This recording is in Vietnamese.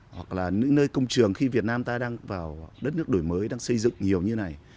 hoặc là những nơi công trường khi việt nam ta đang vào đất nước đổi mới đang xây dựng nhiều như này